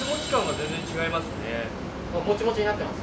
全然違いますね。